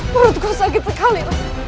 murutku sakit sekali